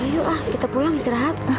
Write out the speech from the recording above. yuk ah kita pulang istirahat